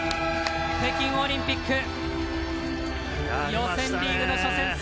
北京オリンピック予選リーグの初戦